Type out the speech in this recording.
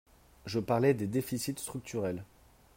Je parlais des déficits structurels